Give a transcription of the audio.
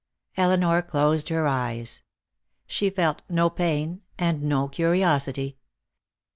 Elinor closed her eyes. She felt no pain and no curiosity.